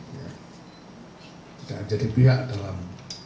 tidak jadi pihak dalam